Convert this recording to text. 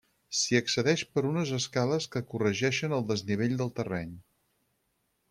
S'hi accedeix per unes escales que corregeixen el desnivell del terreny.